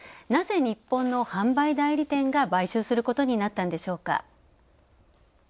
なぜ、日本の販売代理店が買収することになったのでしょうか。